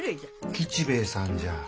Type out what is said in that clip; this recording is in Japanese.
吉兵衛さんじゃ。